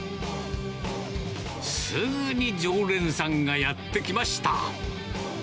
すぐに常連さんがやって来ました。